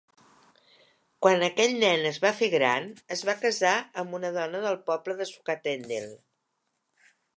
Quan aquell nen es va fer gran, es va casar amb una dona del poble de Sukatendel.